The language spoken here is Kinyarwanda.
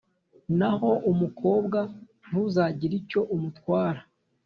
naho umukobwa, ntuzagire icyo umutwara,